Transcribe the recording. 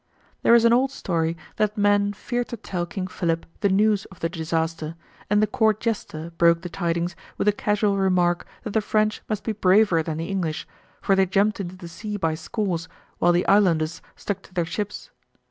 There is an old story that men feared to tell King Philip the news of the disaster, and the Court jester broke the tidings with a casual remark that the French must be braver than the English, for they jumped into the sea by scores, while the islanders stuck to their ships.